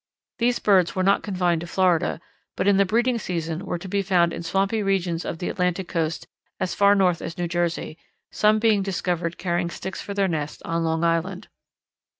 These birds were not confined to Florida, but in the breeding season were to be found in swampy regions of the Atlantic Coast as far north as New Jersey, some being discovered carrying sticks for their nests on Long Island.